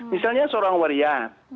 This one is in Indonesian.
misalnya seorang waria